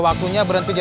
saat siap neneknya